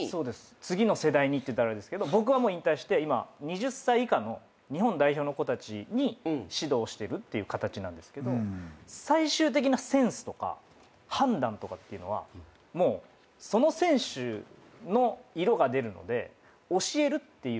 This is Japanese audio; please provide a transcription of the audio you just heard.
次の世代にっていったらあれですけど僕はもう引退して今２０歳以下の日本代表の子たちに指導してるっていう形なんですけど。とかっていうのはもうその選手の色が出るので。